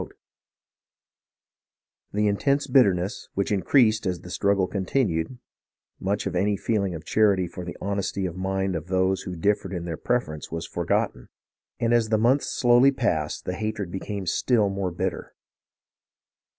In the intense bitterness, which increased as the struggle continued, much of any feeling of charity for the honesty of mind of those who differed in their preferences was for gotten ; and as the months slowly passed the hatred became still more bitter.